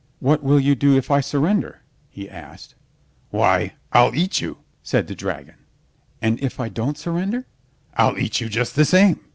"What will you do if I surrender?" he asked. "Why, I'll eat you," said the dragon. "And if I don't surrender?" "I'll eat you just the same."